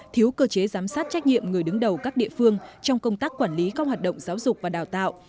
thiếu cơ chế giám sát trách nhiệm người đứng đầu các địa phương trong công tác quản lý các hoạt động giáo dục và đào tạo